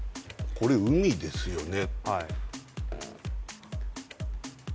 これ海ですよね